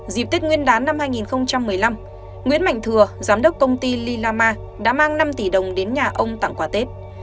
dịp tết nguyên đán năm hai nghìn một mươi năm nguyễn mạnh thừa giám đốc công ty lillama đã mang năm tỷ đồng đến nhà ông tặng quả tết